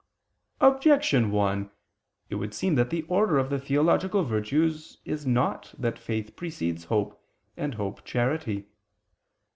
Objection 1: It would seem that the order of the theological virtues is not that faith precedes hope, and hope charity.